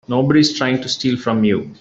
Nobody's trying to steal from you.